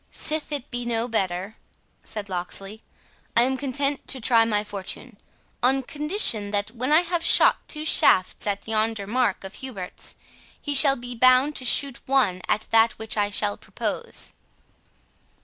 "Sith it be no better," said Locksley, "I am content to try my fortune; on condition that when I have shot two shafts at yonder mark of Hubert's, he shall be bound to shoot one at that which I shall propose."